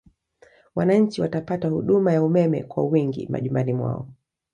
Wananchi watapata huduma ya umeme kwa wingi majumbani mwao